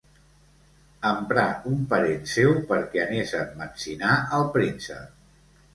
Emprà un parent seu perquè anés a emmetzinar el príncep.